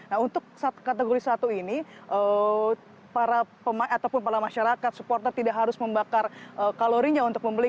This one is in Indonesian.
nah untuk kategori satu ini para ataupun para masyarakat supporter tidak harus membakar kalorinya untuk membeli